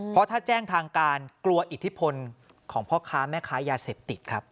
เพราะถ้าแจ้งทางการกลัวอิทธิพลของพ่อค้าแม่ค้ายาเสพติดครับ